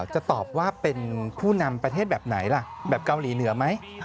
จะตอบว่าเป็นผู้นำประเทศแบบไหนล่ะแบบเกาหลีเหนือไหม